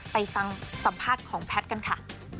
ไปฟังสัมภาษณ์ของแพทย์กันค่ะ